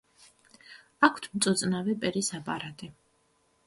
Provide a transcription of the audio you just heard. აქვთ მწუწნავი პირის აპარატი.